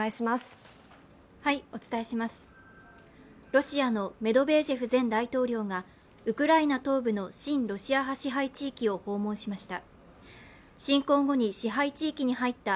ロシアのメドベージェフ前大統領がウクライナ東部の親ロシア派支配地域を訪問しました。